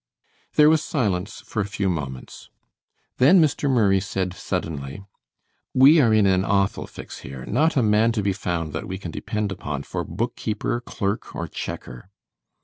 There was silence for a few moments. Then Mr. St. Clair said suddenly: "We are in an awful fix here. Not a man to be found that we can depend upon for book keeper, clerk, or checker."